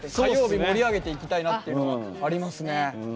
火曜日、盛り上げていきたいなというのがありますね。